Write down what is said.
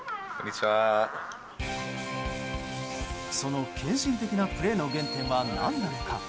その献身的なプレーの原点は何なのか。